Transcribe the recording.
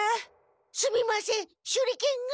すみません手裏剣が。